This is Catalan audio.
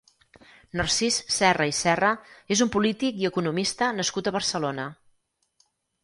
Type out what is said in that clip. Narcís Serra i Serra és un polític i economista nascut a Barcelona.